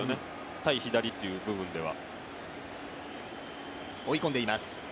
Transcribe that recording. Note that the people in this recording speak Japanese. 対左という部分では。